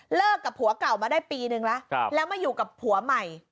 กับผัวเก่ามาได้ปีนึงแล้วแล้วมาอยู่กับผัวใหม่